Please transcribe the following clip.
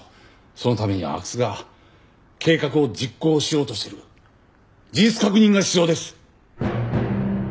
そのためには阿久津が計画を実行しようとしている事実確認が必要です！